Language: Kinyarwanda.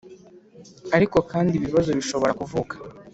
Ariko kandi ibibazo bishobora kuvuka